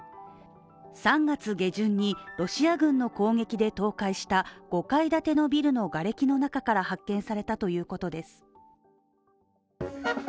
３月下旬にロシア軍の攻撃で倒壊した５階建てビルのがれきの中から発見されたということです。